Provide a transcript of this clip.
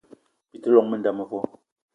Bi te llong m'nda mevo